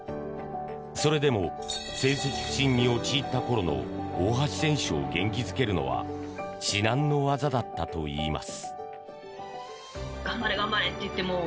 それでも成績不振に陥った頃の大橋選手を元気付けるのは至難の業だったといいます。